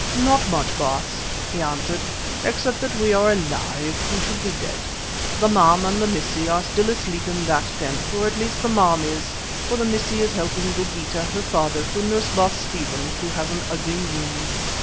"Not much, Baas," he answered, "except that we are alive, who should be dead. The Maam and the Missie are still asleep in that tent, or at least the Maam is, for the Missie is helping Dogeetah, her father, to nurse Baas Stephen, who has an ugly wound.